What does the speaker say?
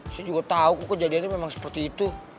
saya juga tahu kok kejadiannya memang seperti itu